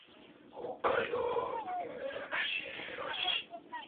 北海道釧路町